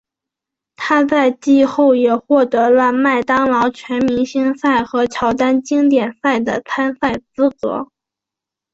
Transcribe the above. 他在季后也获得了麦当劳全明星赛和乔丹经典赛的参赛资格。